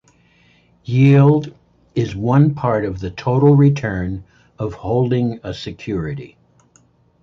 Yield is one part of the total return of holding a security.